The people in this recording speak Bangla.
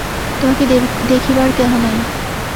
তোমাকে দেখিবার কেহ নাই!